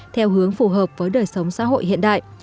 theo hướng phù hợp với đời sống xã hội hiện đại